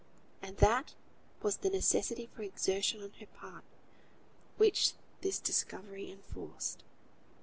And that was the necessity for exertion on her part which this discovery enforced.